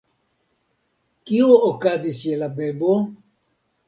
Kio okazis je la bebo?